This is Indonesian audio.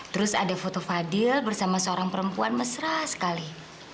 terus ada foto fadil bersama seorang perempuan mesra sekali